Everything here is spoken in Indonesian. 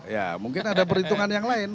ya mungkin ada perhitungan yang lain